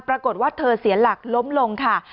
ปรากฏว่าเธอเสียหลักล้มลงค่ะ